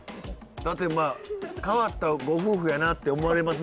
だってまあ変わったご夫婦やなって思われますもんね